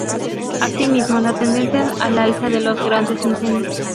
Asimismo la tendencia al alza de los grandes incendios.